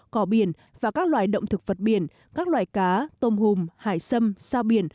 cỏ biển và các loài động thực vật biển các loài cá tôm hùm hải sâm sao biển